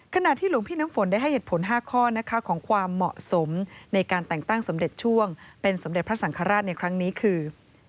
ขณะที่หลวงพี่น้ำฝนได้ให้เหตุผล๕ข้อนะคะของความเหมาะสมในการแต่งตั้งสมเด็จช่วงเป็นสมเด็จพระสังฆราชในครั้งนี้คือ